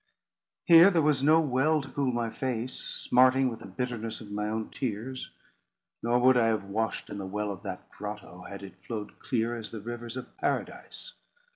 Here there was no well to cool my face, smarting with the bitterness of my own tears. Nor would I have washed in the well of that grotto, had it flowed clear as the rivers of Paradise.